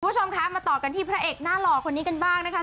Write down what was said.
คุณผู้ชมคะมาต่อกันที่พระเอกหน้าหล่อคนนี้กันบ้างนะคะ